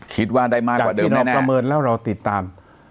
คิดว่าได้มากกว่าเดิมที่เราประเมินแล้วเราติดตาม